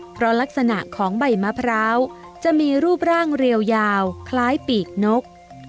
เพราะลักษณะของใบมะพร้าวจะมีรูปร่างเรียวยาวคล้ายปีกนก